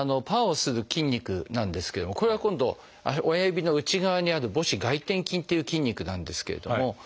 パーをする筋肉なんですけれどもこれは今度親指の内側にある母趾外転筋という筋肉なんですけれども。